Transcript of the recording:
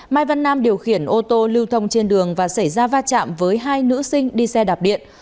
mai văn nam điều khiển ô tô lưu thông trên đường và xảy ra va chạm với hai nữ sinh đi xe đạp điện